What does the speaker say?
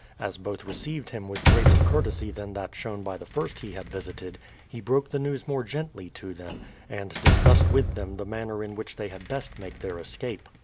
As both received him with greater courtesy than that shown by the first he had visited, he broke the news more gently to them, and discussed with them the manner in which they had best make their escape.